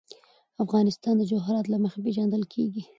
افغانستان د جواهرات له مخې پېژندل کېږي.